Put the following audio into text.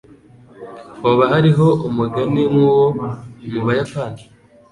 Hoba hariho umugani nk'uwo mu Buyapani?